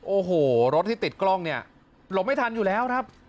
โอ้โหรถที่ติดกล้องเนี่ยหลบไม่ทันอยู่แล้วครับ